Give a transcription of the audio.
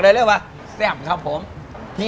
แล้วก็เนื้อปลาครับนุ่มรัดลายในปากแซ่บครับผมบอกได้เลยว่า